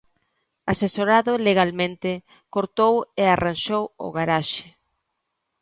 Asesorado legalmente, cortou e arranxou o garaxe.